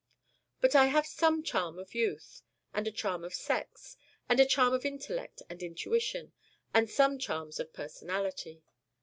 But I have some charm of youth, and a charm of sex, and a charm of intellect and intuition, and some charms of personality.